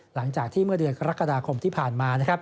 หลังจากที่เมื่อเดือนกรกฎาคมที่ผ่านมานะครับ